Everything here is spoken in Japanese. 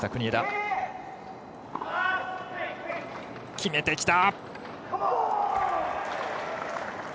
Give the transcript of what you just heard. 決めてきた！